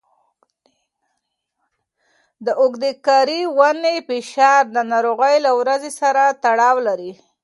د اوږدې کاري اونۍ فشار د ناروغۍ له ورځې سره تړاو لري.